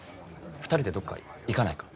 ２人でどっか行かないか？